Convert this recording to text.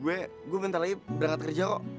gue bentar lagi berangkat kerja kok